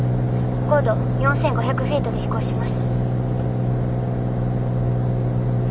高度４，５００フィートで飛行します。